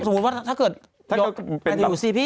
สมมุติว่าถ้าเกิดอยู่สิพี่